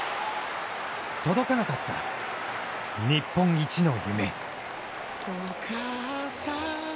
届かなかった日本一の夢。